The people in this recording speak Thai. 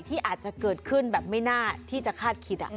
อาจจะเกิดขึ้นแบบไม่น่าที่จะคาดคิด